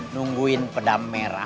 nungguin pedam merah